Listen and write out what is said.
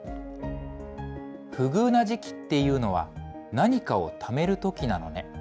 不遇な時期っていうのは何かをためるときなのね。